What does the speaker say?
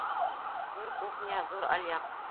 Ҙур кухня, ҙур алъяҡ!